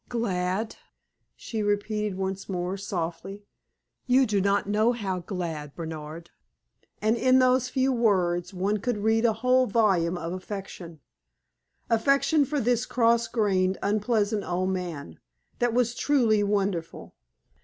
"Glad?" she repeated once more, softly. "You do not know how glad, Bernard!" And in those few words one could read a whole volume of affection affection for this cross grained, unpleasant old man that was truly wonderful.